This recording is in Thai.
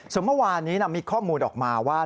ส่วนเมื่อวานนี้มีข้อมูลออกมาว่า